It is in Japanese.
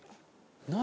何？